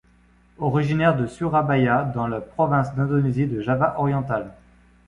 Originaire de Surabaya dans la province d'Indonésie de Java oriental.